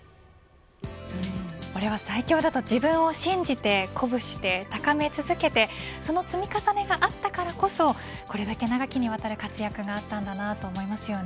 俺は最強だと自分を信じて鼓舞して高め続けてその積み重ねがあったからこそこれだけ長きにわたる活躍があったんだなと思いますよね。